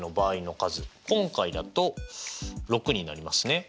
今回だと６になりますね。